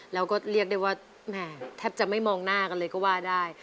แล้วก็เรียกได้ว่าแหมแทบจะไม่มองหน้ากันเลยก็ว่าได้